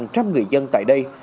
trăm người dân tại đây